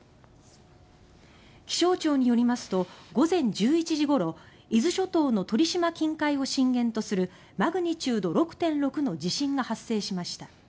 気象庁によりますと午前１１時ごろ伊豆諸島の鳥島近海を震源とするマグニチュード６．６の地震が発生しました。